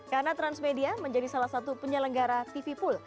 karena transmedia menjadi salah satu penyelenggara tvpool